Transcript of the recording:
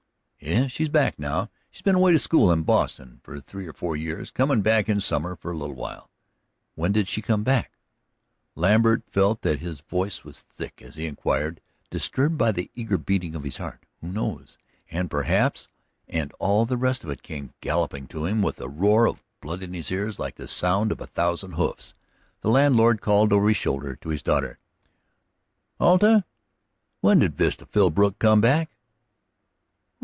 "Yes, she's back now. She's been away to school in Boston for three or four years, comin' back in summer for a little while." "When did she come back?" Lambert felt that his voice was thick as he inquired, disturbed by the eager beating of his heart. Who knows? and perhaps, and all the rest of it came galloping to him with a roar of blood in his ears like the sound of a thousand hoofs. The landlord called over his shoulder to his daughter: "Alta, when did Vesta Philbrook come back?"